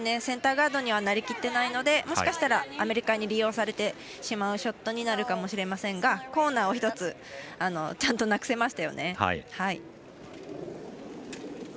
センターガードにはなりきってないのでもしかしたらアメリカに利用されてしまうショットになるかもしれませんがコーナーを１つちゃんと、なくせましたよね。